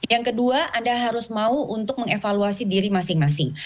yang kedua anda harus mau untuk mengevaluasi diri masing masing